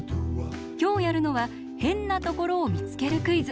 きょうやるのはへんなところをみつけるクイズ。